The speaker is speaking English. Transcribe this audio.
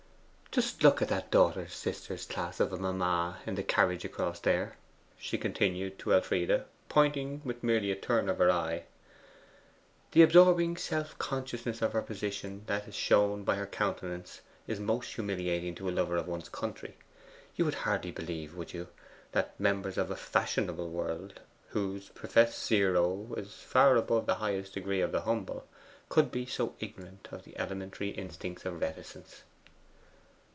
'Just look at that daughter's sister class of mamma in the carriage across there,' she continued to Elfride, pointing with merely a turn of her eye. 'The absorbing self consciousness of her position that is shown by her countenance is most humiliating to a lover of one's country. You would hardly believe, would you, that members of a Fashionable World, whose professed zero is far above the highest degree of the humble, could be so ignorant of the elementary instincts of reticence.